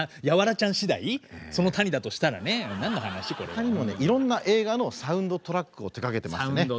ほかにもねいろんな映画のサウンドトラックを手がけてましてね